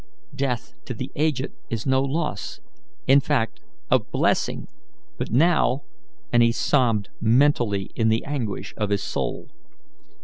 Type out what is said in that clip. Death, to the aged, is no loss in fact, a blessing but now!" and he sobbed mentally in the anguish of his soul.